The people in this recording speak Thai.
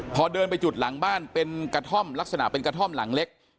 พอเดินไปจุดหลังบ้านเป็นกระท่อมลักษณะเป็นกระท่อมหลังเล็ก